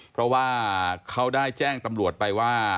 เพราะว่าเขาได้แจ้งตำรวจไปว่า